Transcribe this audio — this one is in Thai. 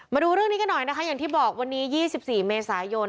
มาดูเรื่องนี้กันหน่อยนะคะอย่างที่บอกวันนี้๒๔เมษายน